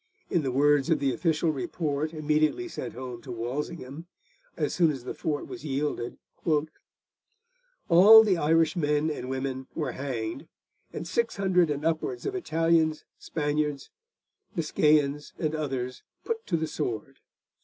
In the words of the official report immediately sent home to Walsingham, as soon as the fort was yielded, 'all the Irish men and women were hanged, and 600 and upwards of Italians, Spaniards, Biscayans and others put to the sword.